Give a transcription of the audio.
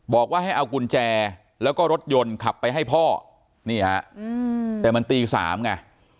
บอกว่าให้เอากุญแจแล้วก็รถยนต์ขับไปให้พ่อนี่ฮะแต่มันตี๓ไง